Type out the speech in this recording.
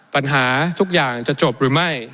ปัญหาทุกอย่างจะจบหรือไม่